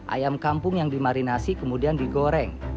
ayam kampung yang dimarinasi kemudian digoreng